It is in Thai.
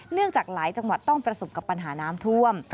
จากหลายจังหวัดต้องประสบกับปัญหาน้ำท่วม